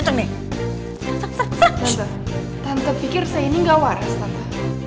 tante tante pikir saya ini ga waras tante